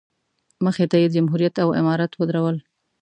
مخې ته یې جمهوریت او امارت ودرول.